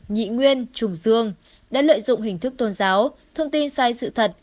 nhị nguyên trùng dương đã lợi dụng hình thức tôn giáo thông tin sai sự thật